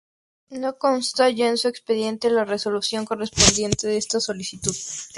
No consta ya en su expediente la resolución correspondiente a esta solicitud.